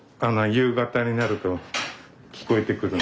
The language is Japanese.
夕方になると三線聞こえてくる。